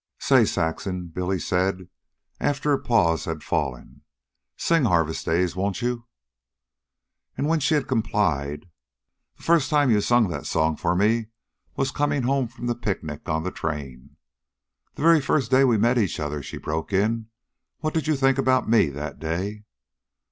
"Say, Saxon," Billy said, after a pause had fallen, "sing 'Harvest Days,' won't you?" And, when she had complied: "The first time you sung that song for me was comin' home from the picnic on the train " "The very first day we met each other," she broke in. "What did you think about me that day?"